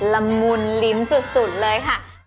ละมุนลิ้นสุดเลยค่ะ